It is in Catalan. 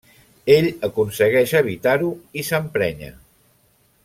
Ell aconsegueix evitar-ho i s'emprenya.